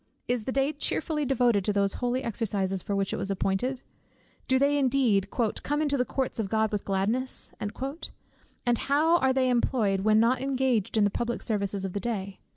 Is the day cheerfully devoted to those holy exercises for which it was appointed? Do they indeed "come into the courts of God with gladness?" And how are they employed when not engaged in the public services of the day?